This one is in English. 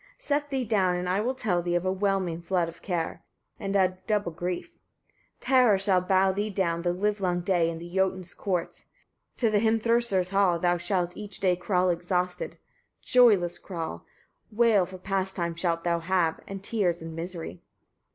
Set thee down, and I will tell thee of a whelming flood of care, and a double grief. 30. Terrors shall bow thee down the livelong day, in the Jotuns' courts. To the Hrimthursar's halls, thou shalt each day crawl exhausted, joyless crawl; wail for pastime shalt thou have, and tears and misery.